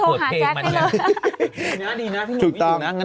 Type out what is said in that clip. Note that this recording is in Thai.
โอ้อยู่ค่ะว่าไงคะ